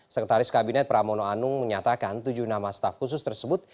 sekretaris kabinet pramono anung menyatakan tujuh nama staf khusus tersebut